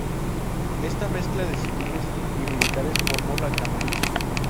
Esta mezcla de civiles y militares formó la camarilla.